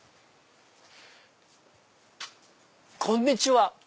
こんにちは！